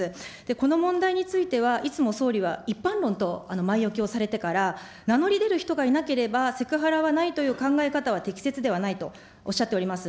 この問題については、いつも総理は一般論と前置きをされてから、名乗り出る人がいなければ、セクハラはないという考え方は適切ではないとおっしゃっております。